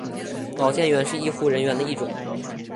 保健员是医护人员的一种。